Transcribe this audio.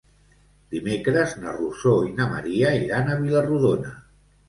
Dimecres na Rosó i na Maria iran a Vila-rodona.